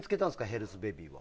ヘルスベビー。